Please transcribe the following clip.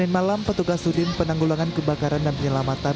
senin malam petugas sudin penanggulangan kebakaran dan penyelamatan